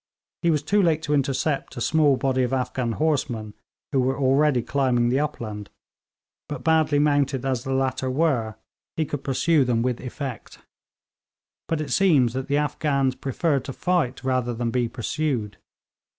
He was too late to intercept a small body of Afghan horsemen, who were already climbing the upland; but badly mounted as the latter were, he could pursue them with effect. But it seemed that the Afghans preferred to fight rather than be pursued.